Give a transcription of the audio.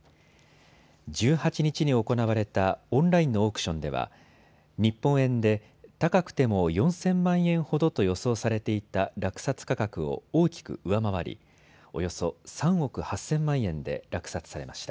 １８日に行われたオンラインのオークションでは日本円で高くても４０００万円ほどと予想されていた落札価格を大きく上回り、およそ３億８０００万円で落札されました。